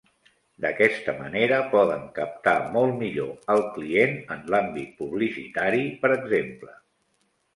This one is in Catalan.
D’aquesta manera poden captar molt millor al client en l’àmbit publicitari per exemple.